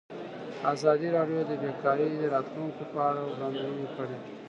ازادي راډیو د بیکاري د راتلونکې په اړه وړاندوینې کړې.